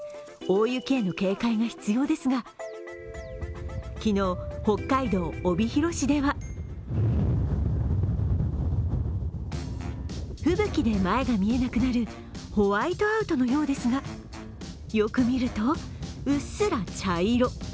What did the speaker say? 大雪への警戒が必要ですが昨日、北海道帯広市では吹雪で前が見えなくなるホワイトアウトのようですが、よく見ると、うっすら茶色。